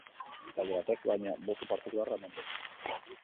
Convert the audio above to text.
Epaile batek, baina, boto partikularra eman du.